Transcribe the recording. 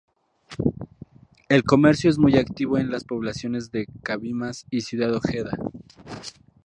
El comercio es muy activo en las poblaciones de Cabimas y Ciudad Ojeda.